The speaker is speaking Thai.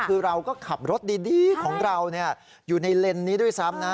คือเราก็ขับรถดีของเราอยู่ในเลนส์นี้ด้วยซ้ำนะ